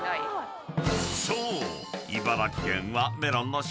［そう］